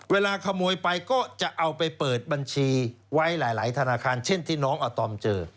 เวลาขโมยไปก็จะเอาไปเปิดบัญชีไว้หลายธนาคารเช่นที่น้องอาตอมเจอ